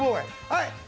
はい。